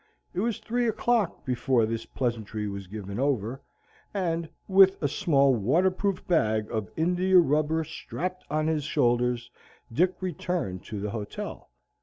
It was three o'clock before this pleasantry was given over, and with a small waterproof bag of india rubber strapped on his shoulders Dick returned to the hotel.